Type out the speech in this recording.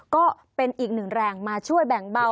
ก็เป็นอีกหนึ่งแรงมาช่วยแบ่งเบา